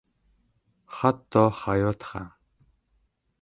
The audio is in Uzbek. Hatto hayot ham.